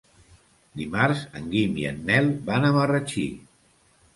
Dimarts en Guim i en Nel van a Marratxí.